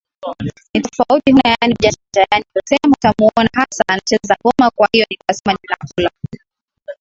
Ni tofauti huna yani ujanja yani kusema utamuona kasa anacheza ngoma Kwahiyo nikasema ninakula